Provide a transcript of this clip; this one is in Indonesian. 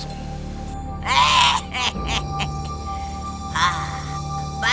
dan kamu akan dengan mudah mencapai tujuan